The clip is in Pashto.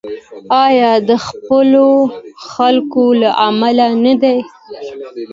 آیا د خپلو خلکو له امله نه دی؟